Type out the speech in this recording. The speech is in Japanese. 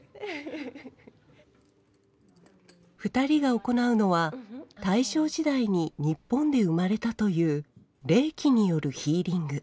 ２人が行うのは大正時代に日本で生まれたという霊気によるヒーリング。